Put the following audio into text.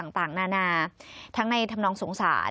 ต่างนานาทั้งในธรรมนองสงสาร